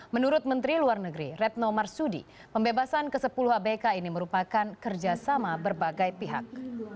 menurut menteri luar negeri retno marsudi pembebasan ke sepuluh abk ini merupakan kerjasama berbagai pihak